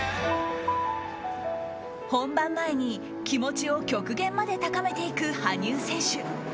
本番前に気持ちを極限まで高めていく羽生選手。